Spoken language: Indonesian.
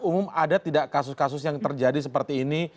umum ada tidak kasus kasus yang terjadi seperti ini